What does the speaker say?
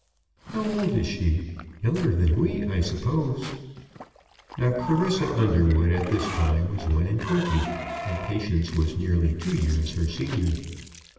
"How old is she? Younger than we, I suppose?" Now Clarissa Underwood at this time was one and twenty, and Patience was nearly two years her senior.